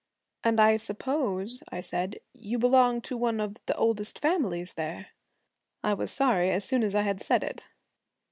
'And I suppose,' I said, 'you belong to one of the oldest families there.' I was sorry as soon as I had said it.